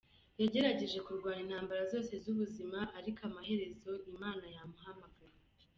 Yagerageje kurwana intamabara zose z’ubuzima, ariko amaherezo Imana yamuhamagaye.